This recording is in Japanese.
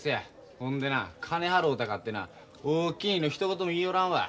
ほんでな金払うたかてな「おおきに」のひと言も言いよらんわ。